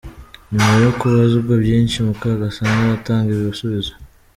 Nyuma yo kubazwa byinshi Mukagasana aratanga ibisubizo